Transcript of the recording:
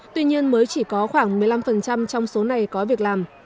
tuy nhiên mới chỉ có khoảng một mươi năm trong số này có việc làm